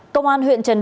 công an huyện trần sơn